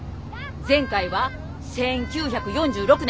前回は１９４６年。